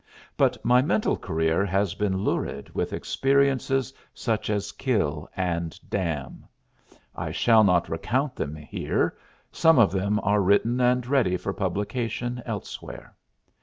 But my mental career has been lurid with experiences such as kill and damn. I shall not recount them here some of them are written and ready for publication elsewhere.